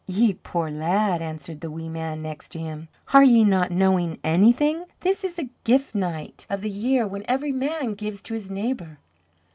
"Ye poor lad!" answered the wee man next to him; "are ye not knowing anything? This is the Gift Night of the year, when every man gives to his neighbour."